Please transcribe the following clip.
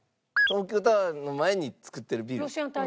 東京タワーの前に造ってるビル。